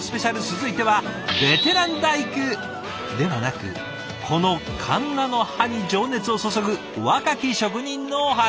続いてはベテラン大工ではなくこのかんなの刃に情熱を注ぐ若き職人のお話。